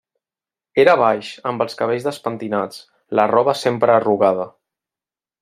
Era baix, amb els cabells despentinats, la roba sempre arrugada.